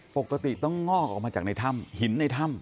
ปกติต้องงอกออกมาจากในถ้ำหินในถ้ำ